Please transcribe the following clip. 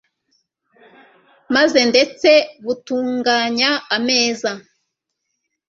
maze ndetse butunganya ameza